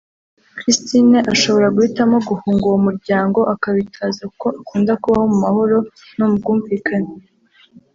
Christine ashobora guhitamo guhunga uwo muryango akawitaza kuko akunda kubaho mu mahoro no mu bwumvikane